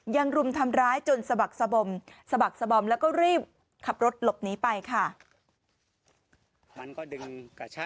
รุมทำร้ายจนสะบักสบมสะบักสบอมแล้วก็รีบขับรถหลบหนีไปค่ะ